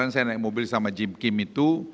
kemarin saya naik mobil sama jim kim itu